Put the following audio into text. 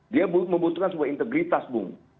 dia membutuhkan sebuah integritas bung